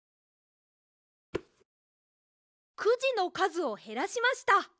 くじのかずをへらしました。